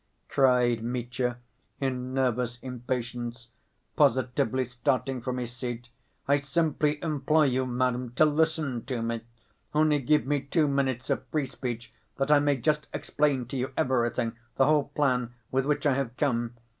cried Mitya, in nervous impatience, positively starting from his seat. "I simply implore you, madam, to listen to me. Only give me two minutes of free speech that I may just explain to you everything, the whole plan with which I have come.